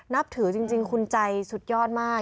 นับถือจริงคุณใจสุดยอดมาก